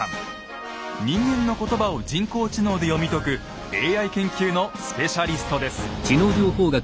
人間の言葉を人工知能で読み解くＡＩ研究のスペシャリストです。